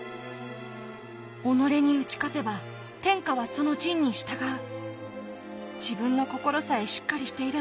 「己に打ち勝てば天下はその仁に従う」。